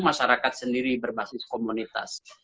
masyarakat sendiri berbasis komunitas